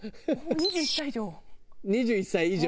「２１歳以上」。